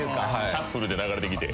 シャッフルで流れてきて。